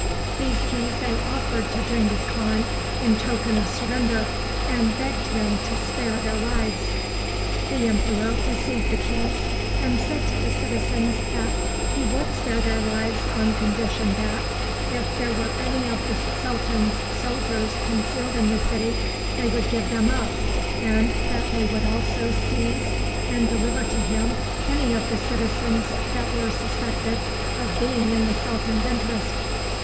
These keys they offered to Genghis Khan in token of surrender, and begged him to spare their lives. The emperor received the keys, and said to the citizens that he would spare their lives on condition that, if there were any of the sultan's soldiers concealed in the city, they would give them up, and that they would also seize and deliver to him any of the citizens that were suspected of being in the sultan's interest.